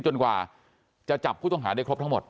กว่าจะจับผู้ต้องหาได้ครบทั้งหมด